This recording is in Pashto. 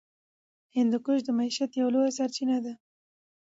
هندوکش د معیشت یوه لویه سرچینه ده.